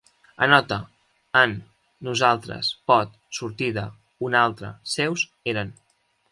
Anota: en, nosaltres, pot, sortida, un altre, seus, eren